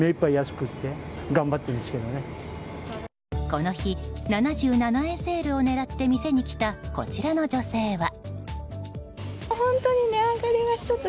この日、７７円セールを狙って店に来たこちらの女性は。